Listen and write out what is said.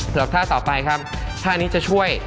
ท่าต่อไปครับท่านี้จะช่วย